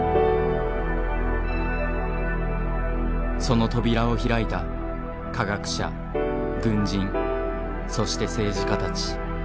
その扉を開いた科学者軍人そして政治家たち。